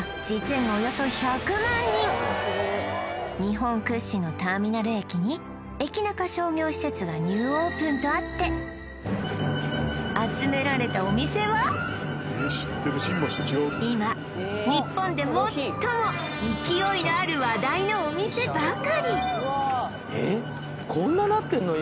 日本屈指のターミナル駅に駅ナカ商業施設がニューオープンとあって集められたお店は今日本で最も勢いのある話題のお店ばかりえっこんななってんの？